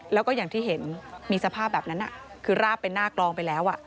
แล้วก็อย่างที่เห็นมีสภาพแบบนั้นคือราบเป็นหน้ากลองไปแล้ว